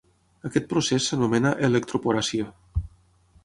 Aquest procés s’anomena electroporació.